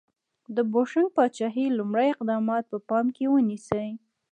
د بوشنګ پاچاهۍ لومړي اقدامات په پام کې ونیسئ.